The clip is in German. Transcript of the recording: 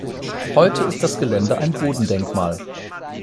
Heute ist das Gelände ein Bodendenkmal.